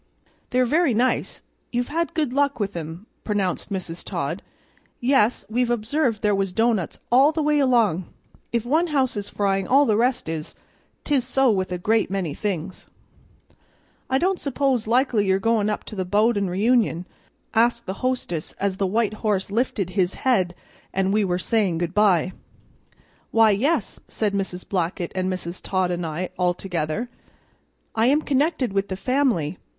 "They're very nice; you've had good luck with 'em," pronounced Mrs. Todd. "Yes, we've observed there was doughnuts all the way along; if one house is frying all the rest is; 'tis so with a great many things." "I don't suppose likely you're goin' up to the Bowden reunion?" asked the hostess as the white horse lifted his head and we were saying good by. "Why, yes," said Mrs. Blackett and Mrs. Todd and I, all together. "I am connected with the family.